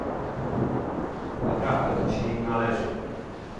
Naprawdę to się im należy